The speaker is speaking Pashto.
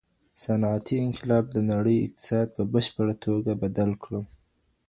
صنعتي انقلاب د نړۍ اقتصاد په بشپړه توګه بدل کړ.